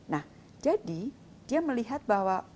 nah jadi dia melihat bahwa